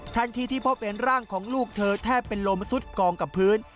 ทันทีที่พบเห็นร่างของลูกเธอแทบเป็นลมสุดกองกับพื้น